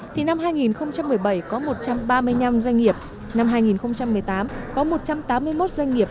thì năm hai nghìn một mươi bảy có một trăm ba mươi năm doanh nghiệp năm hai nghìn một mươi tám có một trăm tám mươi một doanh nghiệp